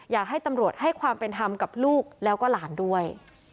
อยากให้ตำรวจให้ความเป็นธรรมกับลูกแล้วก็หลานด้วย